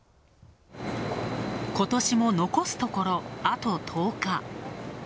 今年も残すところ、あと１０日。